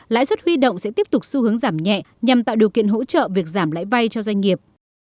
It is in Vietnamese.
lãi suất huy động sẽ tiếp tục xu hướng giảm nhẹ nhằm tạo điều kiện hỗ trợ việc giảm lãi vay cho doanh nghiệp